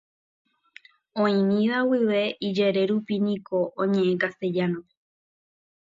Oĩmíva guive ijere rupi niko oñe'ẽ Castellano-pe.